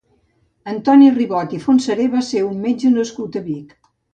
Antoni Ribot i Fontseré va ser un metge nascut a Vic.